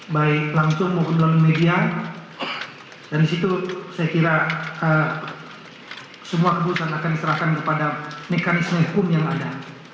baik langsung maupun dalam media dan disitu saya kira semua kebunan akan diserahkan kepada mekanisme hukum yang ada